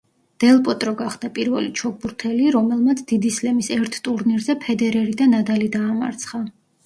დელ პოტრო გახდა პირველი ჩოგბურთელი, რომელმაც დიდი სლემის ერთ ტურნირზე ფედერერი და ნადალი დაამარცხა.